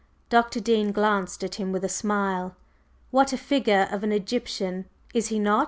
Dr. Dean glanced at him with a smile. "What a figure of an Egyptian, is he not!"